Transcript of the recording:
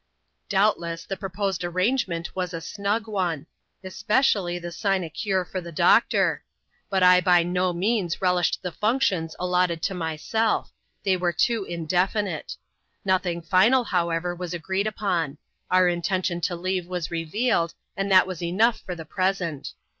Doubtless, the proposed arrangement was a snug one; espe cially the sinecure for the doctor ; but I by no means relished the functions allotted to myself — they were too indefinite. Nothing final, however, was agreed upon ;— our intention to leave was revealed, and that was enough for the present.